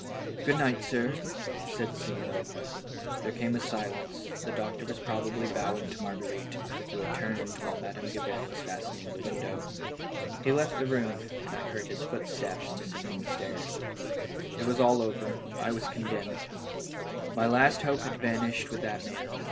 " Good night, sir," said Simoneau. There came a silence, the doctor was probably bow ing to Marguerite, who had turned while Madame Gabin was fastening the window. He left the room, and I heard his footsteps descending the stairs. It was all over; I was condemned. My last hope had vanished with that man.